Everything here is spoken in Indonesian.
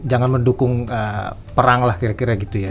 jangan mendukung perang lah kira kira gitu ya